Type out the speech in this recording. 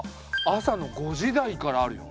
朝の５時台からあるよ。